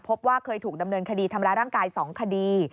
พบว่าเคยถูกดำเนินคดีทำร้ายร่างกาย๒คดี